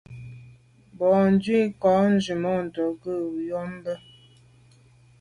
Mbwôg ndù kà nzwimàntô ghom yube.